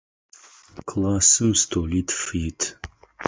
Классым столитф ит.